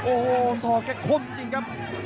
โอ้โหศอกแกคมจริงครับ